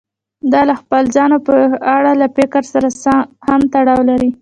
دا له خپل ځان په اړه له فکر سره هم تړاو لري.